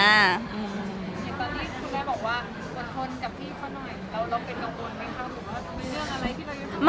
ตอนที่คุณแม่บอกว่าควรทนกับพี่พอหน่อยเราเป็นกังวลไหมคะ